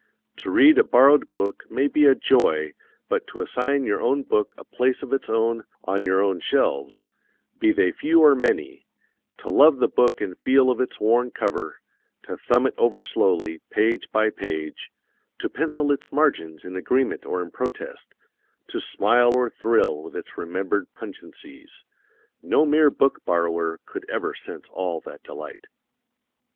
To read a borrowed book may be a joy, but to assign your own book a place of its own on your own shelves be they few or many to love the book and feel of its worn cover, to thumb it over slowly, page by page, to pencil its margins in agreement or in protest, to smile or thrill with its remembered pungencies no mere book borrower could ever sense all that delight.